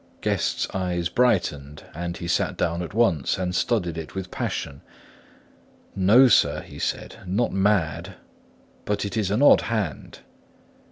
Guest's eyes brightened, and he sat down at once and studied it with passion. "No sir," he said: "not mad; but it is an odd hand."